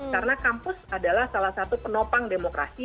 karena kampus adalah salah satu penopang demokrasi